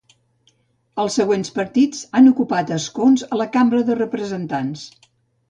Els següents partits han ocupat escons a la Cambra de Representants.